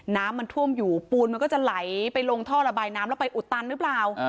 น้ำมันท่วมอยู่ปูนมันก็จะไหลไปลงท่อระบายน้ำแล้วไปอุดตันหรือเปล่า